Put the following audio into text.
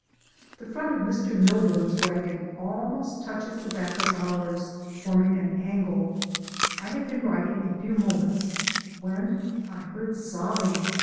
The front of Mr. Milburn's wagon almost touches the back of ours, forming an angle. I had been writing a few moments when I heard sobbing.